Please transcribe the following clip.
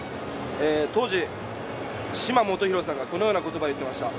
当時、嶋基宏さんがこのような言葉言ってました。